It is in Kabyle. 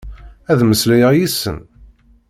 Ad mmeslayeɣ yid-sen?